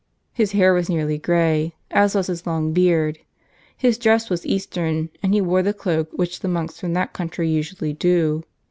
His hair was nearly grey, as was his long beard. His dress was eastern, and he wore the cloak which the monks from that country usually do.